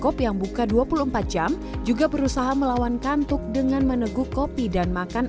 kopi yang buka dua puluh empat jam juga berusaha melawan kantuk dengan meneguk kopi dan makan